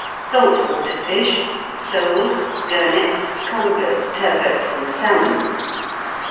"Salt Water Fish. Soles, gurnets, congers, turbots, and salmon.